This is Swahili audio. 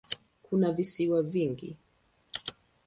Kuna visiwa vingi.